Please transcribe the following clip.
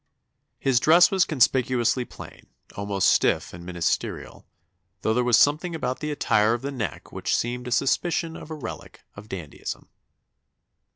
His dress was conspicuously plain, almost stiff and ministerial; though there was something about the attire of the neck which seemed a suspicion of a relic of dandyism."